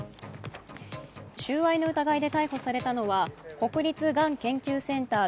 収賄の疑いで逮捕されたのは国立がん研究センター